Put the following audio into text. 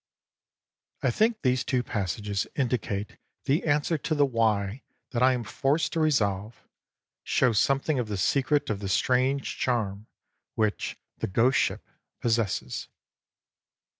I think these two passages indicate the answer to the " why " that I am forced to resolve; show something of the secret of the strange charm which " The Ghost Ship " possesses.